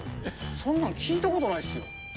そんなん聞いたことないですよ。